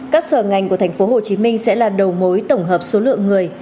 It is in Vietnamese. các sở ngành của tp hcm sẽ là đầu mối tổng hợp số lượng người